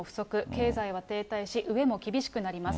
経済は停滞し、飢えも厳しくなります。